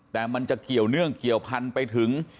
แต่มันจะเกี่ยวเนื่องเกี่ยวพันไปถึง